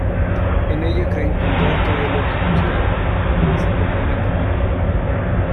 En ella cree encontrar todo lo que buscaba y se comprometen.